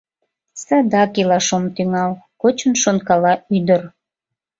Садак илаш ом тӱҥал, — кочын шонкала ӱдыр.